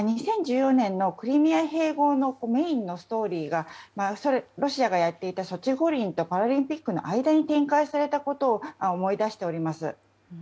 ２０１４年のクリミア併合のメインのストーリーがロシアがやっていたソチ五輪とパラリンピックの間に展開されたことを思い出しております。